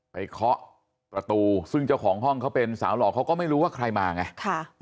เคาะประตูซึ่งเจ้าของห้องเขาเป็นสาวหล่อเขาก็ไม่รู้ว่าใครมาไง